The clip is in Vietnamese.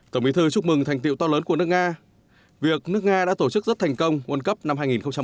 tổng bí thư chúc mừng thành tiệu to lớn của nước nga việc nước nga đã tổ chức rất thành công quân cấp năm hai nghìn một mươi tám